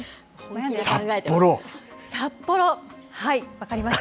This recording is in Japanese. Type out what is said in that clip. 分かりました。